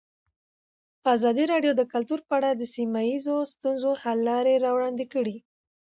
ازادي راډیو د کلتور په اړه د سیمه ییزو ستونزو حل لارې راوړاندې کړې.